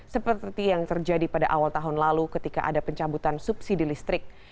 seperti yang terjadi pada awal tahun lalu ketika ada pencabutan subsidi listrik